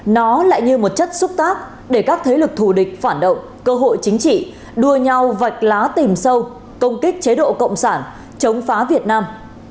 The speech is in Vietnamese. nó lại như một chất xúc tác để các thế lực thù địch phản động cơ hội chính trị đua nhau vạch lá tìm sâu công kích chế độ cộng sản chống phá việt nam